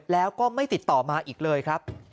แล้วก็ไม่ติดต่อมาอีกเลยครับ